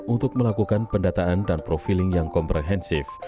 untuk melakukan pendataan dan profiling yang komprehensif